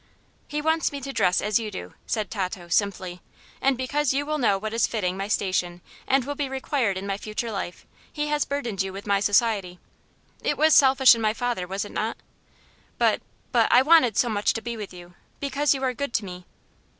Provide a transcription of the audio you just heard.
"He wants me to dress as you do," said Tato, simply; "and because you will know what is fitting my station and will be required in my future life, he has burdened you with my society. It was selfish in my father, was it not? But but I wanted so much to be with you because you are good to me!"